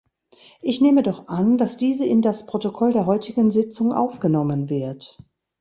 Ich nehme doch an, dass diese in das Protokoll der heutigen Sitzung aufgenommen wird.